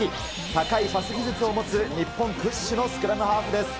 高いパス技術を持つ日本屈指のスクラムハーフです。